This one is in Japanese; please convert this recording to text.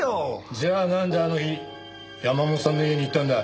じゃあなんであの日山本さんの家に行ったんだ？